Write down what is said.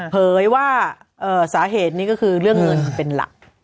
เผยว่าสาเหตุนี้ก็คือเรื่องเงินเป็นหลัก